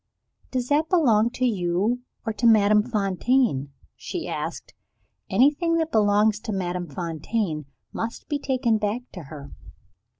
"Does that belong to you, or to Madame Fontaine?" she asked. "Anything that belongs to Madame Fontaine must be taken back to her."